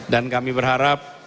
dan kami berharap